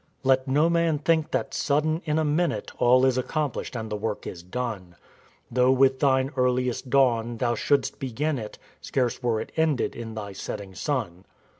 " Let no man think that sudden in a minute All is accomplished and the work is done; — Though with thine earliest dawn thou shouldst begin it Scarce were it ended in thy setting sun."